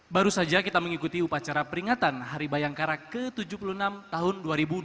baru saja kita mengikuti upacara peringatan hari bayangkara ke tujuh puluh enam tahun dua ribu dua puluh